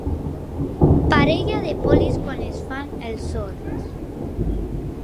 Parella de polis quan es fan els sords.